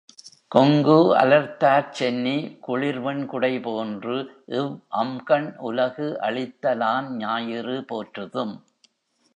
கொங்கு அலர்தார்ச் சென்னி குளிர்வெண் குடை போன்று இவ் அம்கண் உலகு அளித்த லான் ஞாயிறு போற்றுதும்!